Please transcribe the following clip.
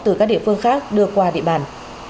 từ các địa phương khác đưa qua địa bàn